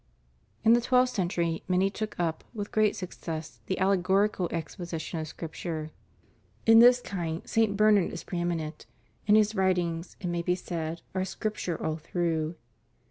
In the twelfth cen tury many took up, with great success, the allegorical ex position of Scripture. In this kind, St. Bernard is pre eminent; and his writings, it may be said, are Scripture all through.